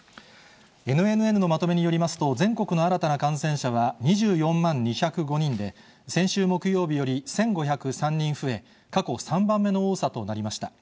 ＮＮＮのまとめによりますと、全国の新たな感染者は２４万２０５人で、先週木曜日より１５０３人増え、過去３番目の多さとなりました。